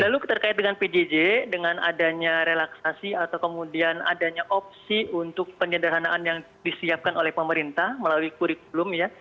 lalu terkait dengan pjj dengan adanya relaksasi atau kemudian adanya opsi untuk penyederhanaan yang disiapkan oleh pemerintah melalui kurikulum ya